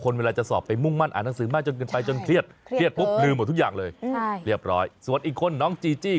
อย่างเมื่อผมสมัยนั้นเลยนะครับ